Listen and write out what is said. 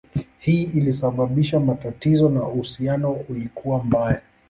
Hii ilisababisha matatizo na uhusiano ulikuwa mbaya.